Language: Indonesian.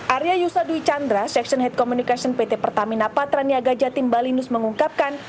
arya yusadwi chandra seksyen head communication pt pertamina patraniaga jatim balinus mengungkapkan